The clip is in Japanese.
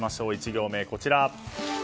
１行目、こちら。